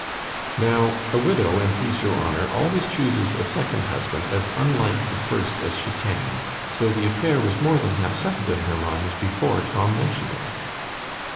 —— ——Now a widow, an' please your honour, always chuses a second husband as unlike the first as she can: so the affair was more than half settled in her mind before Tom mentioned it.